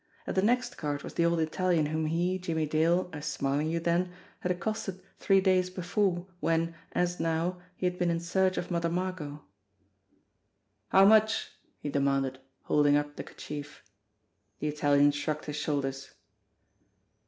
At the next cart was the old Italian whom he, Jimmie Dale, as Smarlinghue then, had accosted three days before when, as now, he had been in search of Mother Margot. "How much ?" he demanded, holding up the kerchief. The Italian shrugged his shoulders.